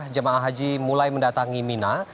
jemaah haji mulai berdatangan di mina